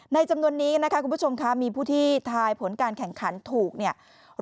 จำนวนนี้นะคะคุณผู้ชมคะมีผู้ที่ทายผลการแข่งขันถูกเนี่ย